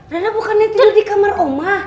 rana bukannya tidur di kamar oma